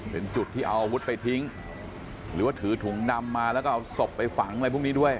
เป็นจุดที่เอาอาวุธไปทิ้งหรือถึงถุงดำมาสบไปฝังไว้พบนี้ด้วย